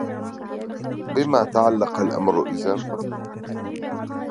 بما تعلق الأمر إذن؟